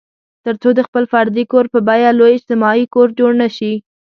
تر څو د خپل فردي کور په بیه لوی اجتماعي کور جوړ نه شي.